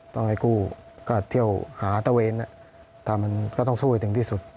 ต้องให้กู้ก็เที่ยวหาตะเวนแต่มันก็ต้องสู้ให้ถึงที่สุด